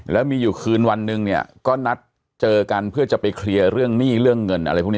แล้วมีอยู่คืนวันหนึ่งเนี่ยก็นัดเจอกันเพื่อจะไปเคลียร์เรื่องหนี้เรื่องเงินอะไรพวกนี้